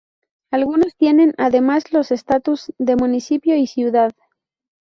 Algunos tienen, además, los estatus de municipio y ciudad.